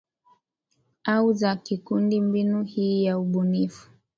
au za kikundi Mbinu hii ya ubunifu